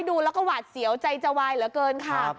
ดูแล้วก็หวาดเสียวใจจะวายเหลือเกินค่ะ